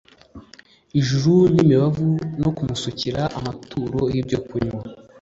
ijuru imibavu no kumusukira amaturo y ibyokunywa